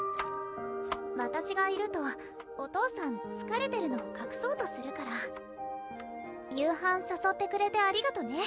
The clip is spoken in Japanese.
わたしがいるとお父さんつかれてるのをかくそうとするから夕飯さそってくれてありがとね